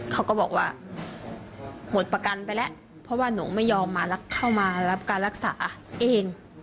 เขาก็บอกว่าหมดประกันไปแล้วเพราะว่าหนูไม่ยอมมาเข้ามารับการรักษาเอง